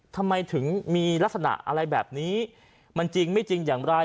ทำไมถึงมีลักษณะอะไรแบบนี้มันจริงไม่จริงอย่างไร